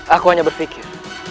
aku hanya berpikir